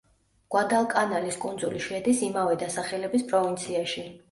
გუადალკანალის კუნძული შედის იმავე დასახელების პროვინციაში.